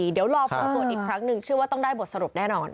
เดี๋ยวรอผลตรวจอีกครั้งหนึ่งเชื่อว่าต้องได้บทสรุปแน่นอน